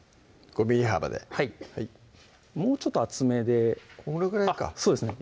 ５ｍｍ幅でもうちょっと厚めでこのぐらいかそうですね